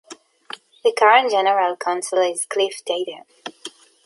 The current General Counsel is Cliff Tatum.